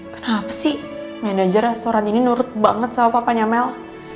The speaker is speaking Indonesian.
kenapa sih late ini nurut banget sama papanya mel